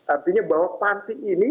artinya bahwa pantik ini